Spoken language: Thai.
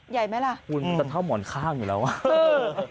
ใหญ่ไหมล่ะคุณมันจะเท่าหมอนข้างอยู่แล้วอ่ะ